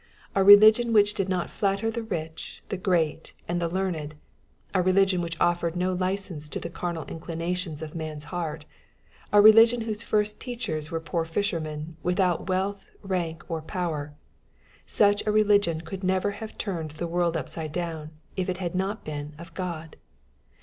A re* ligion which did not flatter the rich, the great, and the learned, — a religion which offered no license to the carnal inclinations of man's heart, — a religion whose first teach ers were jKwr fishermen, without wealth, rank, or power, — such a religion could never have turned the world upside down, if it had not been of God.